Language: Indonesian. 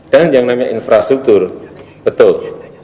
dan yang namanya infrastruktur betul